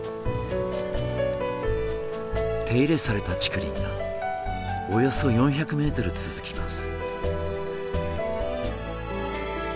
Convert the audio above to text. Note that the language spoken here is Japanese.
手入れされた竹林がおよそ４００メートル続きます。